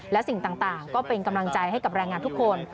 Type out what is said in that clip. และสิ่งต่างก็เป็นกำลังใจให้กับแรงงานทุกคน